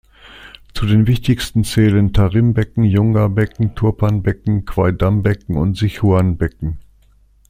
Zu den wichtigsten zählen Tarim-Becken, Junggar-Becken, Turpan-Becken, Qaidam-Becken und Sichuan-Becken.